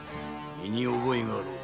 身に覚えがあろう。